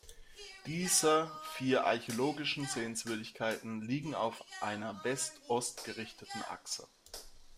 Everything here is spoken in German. Diese vier archäologischen Sehenswürdigkeiten liegen auf einer west-ost gerichteten Achse.